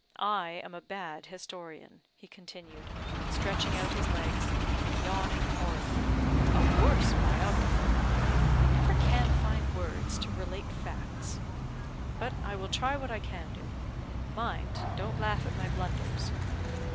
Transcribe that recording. I am a bad historian," he continued, stretching out his legs and yawning horribly, "a worse biographer. I never can find words to relate facts. But I will try what I can do; mind, don't laugh at my blunders."